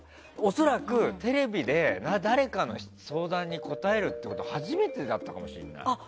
恐らく、テレビで誰かの相談に答えるということが初めてだったかもしれない。